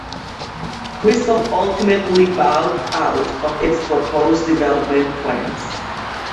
Crystal ultimately bowed out of its proposed development plans.